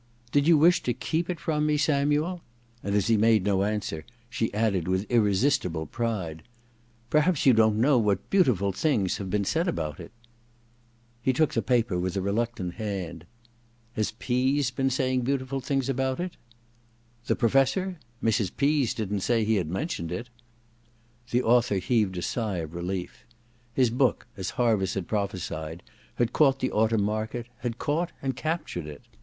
*Did you wish to keep it from me, Samuel ?' And as he made no answer, she added with irresistible pride : 23 IV THE DESCENT OF MAN 23 * Perhaps you don't know what beautiful things have been said about it/ He took the paper with a reluctant hand. ^ Has Pease been saying beautiful things about XL •* The Professor ? Mrs. Pease didn't say he had mentioned it.' The author heaved a sigh of relief. His book, as Harviss had prophesied, had caught the autumn market : had caught and captured it.